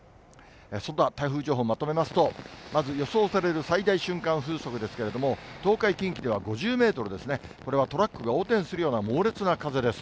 そんな台風情報をまとめますと、まず予想される最大瞬間風速ですけれども、東海、近畿では５０メートルですね、これはトラックが横転するような猛烈な風です。